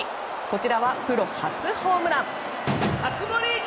こちらはプロ初ホームラン。